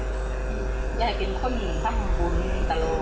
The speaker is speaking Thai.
อยากให้กินข้ำหนูข้ำบูนสตะโล